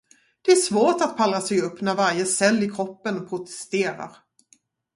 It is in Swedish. Det är svårt att pallra sig upp när varje cell i kroppen protesterar.